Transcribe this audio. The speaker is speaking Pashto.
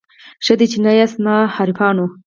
ښه دی چي نه یاست زما حریفانو